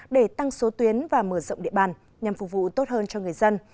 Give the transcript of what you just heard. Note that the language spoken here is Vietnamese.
để tăng số tuyến và mở rộng địa bàn nhằm phục vụ tốt hơn cho người dân